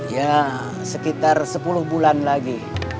ya sekitar sepuluh bulan lagi